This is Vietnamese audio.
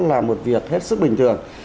là một việc hết sức bình thường